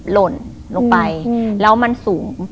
หล่นลงไปแล้วมันสูง